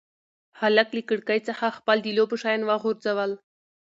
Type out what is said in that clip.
هلک له کړکۍ څخه خپل د لوبو شیان وغورځول.